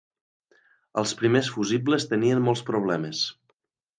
Els primers fusibles tenien molts problemes.